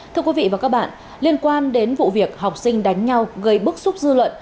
thưa quý vị và các bạn liên quan đến vụ việc học sinh đánh nhau gây bức xúc dư luận